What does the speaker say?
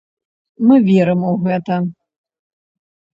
Мы верым у гэта.